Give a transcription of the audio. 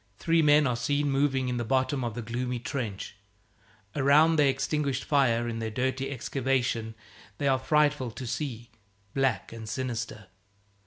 Three men are seen moving in the bottom of the gloomy trench. Around their extinguished fire in the dirty excavation they are frightful to see, black and sinister.